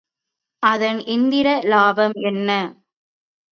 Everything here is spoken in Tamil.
அதன் எந்திர இலாபம் என்ன?